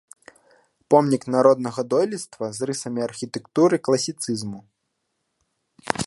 Помнік народнага дойлідства з рысамі архітэктуры класіцызму.